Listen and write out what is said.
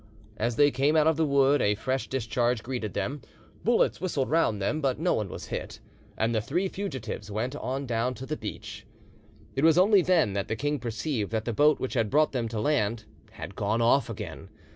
As they came out of the wood a fresh discharge greeted them, bullets whistled round them, but no one was hit, and the three fugitives went on down to the beach. It was only then that the king perceived that the boat which had brought them to land had gone off again.